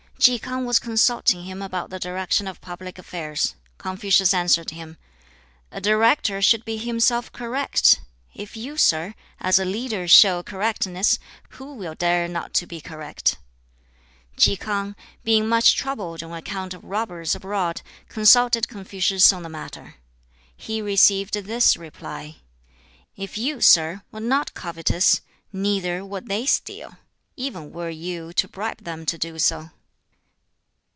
Ki K'ang was consulting him about the direction of public affairs. Confucius answered him, "A director should be himself correct. If you, sir, as a leader show correctness, who will dare not to be correct?" Ki K'ang, being much troubled on account of robbers abroad, consulted Confucius on the matter. He received this reply: "If you, sir, were not covetous, neither would they steal, even were you to bribe them to do so."